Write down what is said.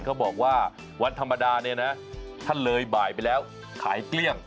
เขาบอกว่าวันธรรมดาถ้าเลยบ่ายไปแล้วขายเกลี้ยง